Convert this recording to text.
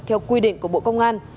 theo quy định của bộ công an